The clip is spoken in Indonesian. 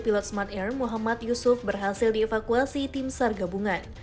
pilot smart air muhammad yusuf berhasil dievakuasi tim sar gabungan